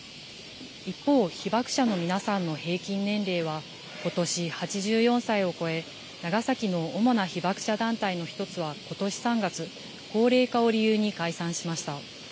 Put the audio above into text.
一方、被爆者の皆さんの平均年齢はことし８４歳を超え、長崎の主な被爆者団体の一つは、ことし３月、高齢化を理由に解散しました。